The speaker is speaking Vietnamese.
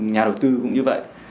nhà đầu tư cũng như vậy